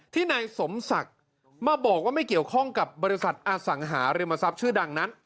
นายสมศักดิ์มาบอกว่าไม่เกี่ยวข้องกับบริษัทอสังหาริมทรัพย์ชื่อดังนั้น